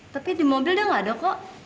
tapi di mobil dia nggak ada kok